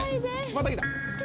また来た！